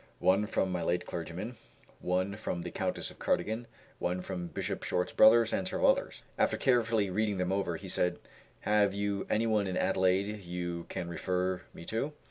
One from my late clergyman, one from the Countess of Cardigan, one from Bishop Short's brother, and several others." After carefully reading them over, he said, "Have you anyone in Adelaide you can refer me to?"